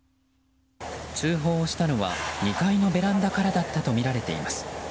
通報をしたのは２階のベランダからだったとみられています。